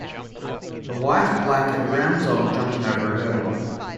A white, black and brown dog jumping over a hurdle.